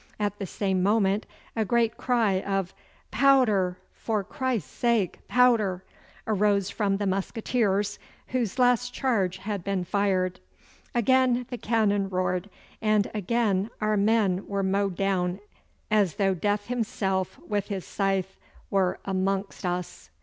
At the same moment a great cry of 'Powder! For Christ's sake, powder!' arose from the musqueteers whose last charge had been fired. Again the cannon roared, and again our men were mowed down as though Death himself with his scythe were amongst us.